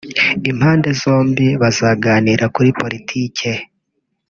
Impande zombi bazaganira kuri Politike